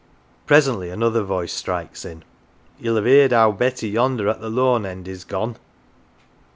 Presently another voice strikes in :" Ye'll have heerd owd Betty yonder at the lone end is gone